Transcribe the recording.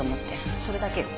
それだけよ。